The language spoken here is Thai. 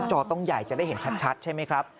จอต้องใหญ่จะได้เห็นชัดใช่ไหมครับ